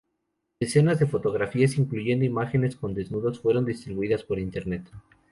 Docenas de fotografías, incluyendo imágenes con desnudos, fueron distribuidas por Internet.